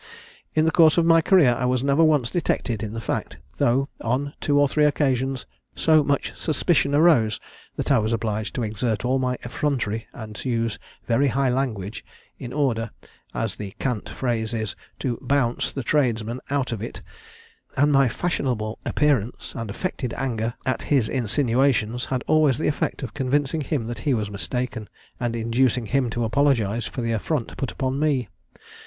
In the course of my career I was never once detected in the fact, though, on two or three occasions so much suspicion arose, that I was obliged to exert all my effrontery and to use very high language, in order, as the cant phrase is, to bounce the tradesman out of it; and my fashionable appearance, and affected anger at his insinuations, had always the effect of convincing him that he was mistaken, and inducing him to apologise for the affront put upon me.